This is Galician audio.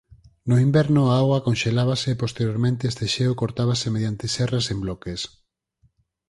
No inverno a auga conxelábase e posteriormente este xeo cortábase mediante serras en bloques.